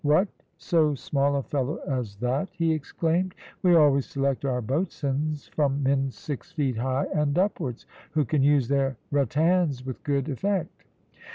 "What, so small a fellow as that?" he exclaimed; "we always select our boatswains from men six feet high and upwards, who can use their rattans with good effect."